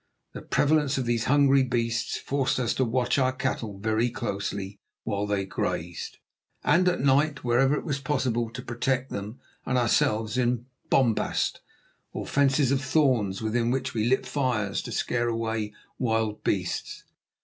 The prevalence of these hungry beasts forced us to watch our cattle very closely while they grazed, and at night, wherever it was possible, to protect them and ourselves in bomas, or fences of thorns, within which we lit fires to scare away wild beasts.